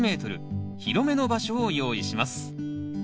広めの場所を用意します。